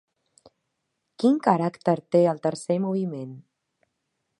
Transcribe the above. Quin caràcter té el tercer moviment?